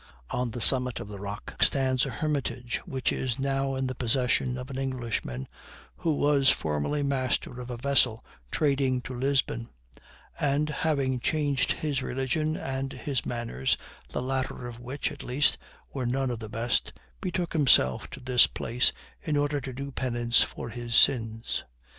On the summit of the rock stands a hermitage, which is now in the possession of an Englishman, who was formerly master of a vessel trading to Lisbon; and, having changed his religion and his manners, the latter of which, at least, were none of the best, betook himself to this place, in order to do penance for his sins.